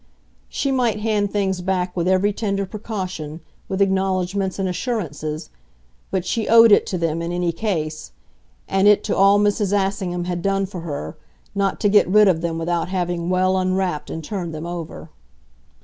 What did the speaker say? She might hand things back with every tender precaution, with acknowledgments and assurances, but she owed it to them, in any case, and it to all Mrs. Assingham had done for her, not to get rid of them without having well unwrapped and turned them over.